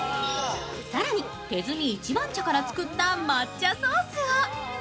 更に手摘み一番茶から作った抹茶ソースを。